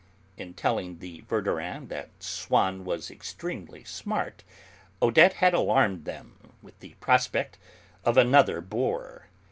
In telling the Verdurins that Swann was extremely 'smart,' Odette had alarmed them with the prospect of another 'bore.'